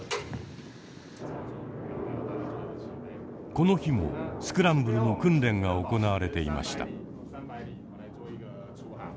この日もスクランブルの訓練が行われていました。